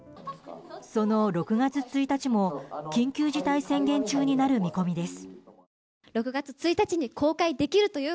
その６月１日も緊急事態宣言中になる見込みです。